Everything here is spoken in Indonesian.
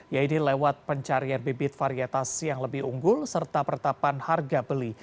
yaitu lewat pencarian bibit varietas yang lebih unggul serta pertapan harga beli